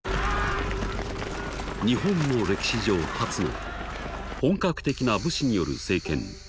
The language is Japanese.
日本の歴史上初の本格的な「武士による政権」